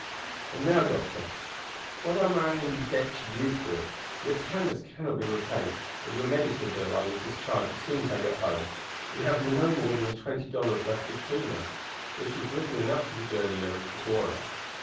"And now, doctor, what am I in debt to you? Your kindness cannot be repaid, but your medical bill I will discharge as soon as I get home. We have not more than twenty dollars left between us, which is little enough for the journey there is before us.